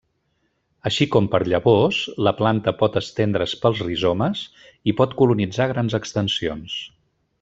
Així com per llavors, la planta pot estendre's pels rizomes i pot colonitzar grans extensions.